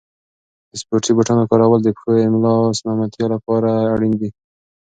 د سپورتي بوټانو کارول د پښو او ملا د سلامتیا لپاره اړین دي.